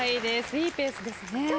いいペースですね。